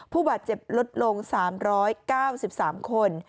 ผู้บาดเจ็บลดลง๓๙๓คน